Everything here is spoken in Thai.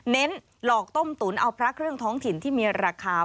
หลอกต้มตุ๋นเอาพระเครื่องท้องถิ่นที่มีราคา